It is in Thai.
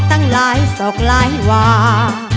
ตั้งหลายศกหลายวา